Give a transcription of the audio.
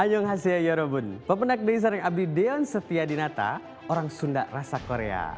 ayo nga saya yorobun bapak pendak dan istri abdi deon setia dinata orang sunda rasa korea